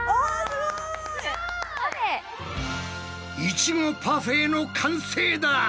イチゴパフェの完成だ！